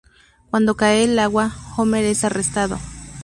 Cuando cae al agua, Homer es arrestado.